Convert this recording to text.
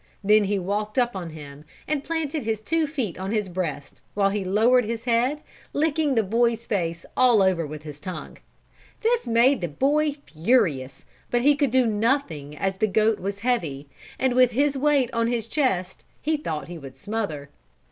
Then he walked up on him and planted his two feet on his breast while he lowered his head, licking the boy's face all over with his tongue. This made the boy furious but he could do nothing as the goat was heavy, and with his weight on his chest he thought he would smother.